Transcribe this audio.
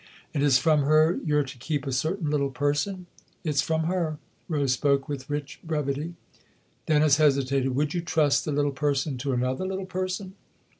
" And it's from her you're to keep a certain little person ?"" It's from her." Rose spoke with rich brevity. Dennis hesitated. "Would you trust the little person to another little person